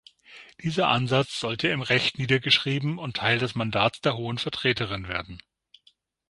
Dieser Ansatz sollte im Recht niedergeschrieben und Teil des Mandats der Hohen Vertreterin werden.